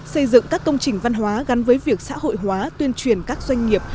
xây dựng các công trình văn hóa gắn với việc xã hội hóa tuyên truyền các doanh nghiệp